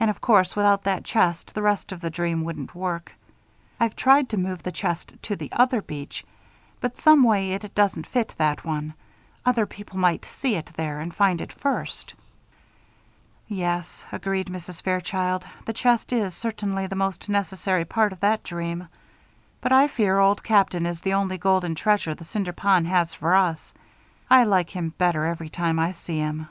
And of course, without that chest, the rest of the dream wouldn't work. I've tried to move the chest to the other beach; but some way, it doesn't fit that one other people might see it there and find it first." "Yes," agreed Mrs. Fairchild, "the chest is certainly the most necessary part of that dream; but I fear Old Captain is the only golden treasure the Cinder Pond has for us: I like him better every time I see him."